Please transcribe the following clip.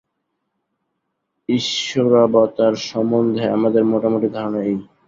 ঈশ্বরাবতার-সম্বন্ধে আমাদের মোটামুটি ধারণা এই।